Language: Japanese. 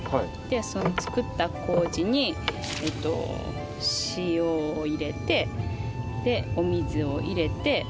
その作った麹に塩を入れてでお水を入れて。